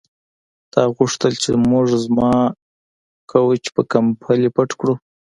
تا غوښتل چې موږ زما کوچ په کمپلې پټ کړو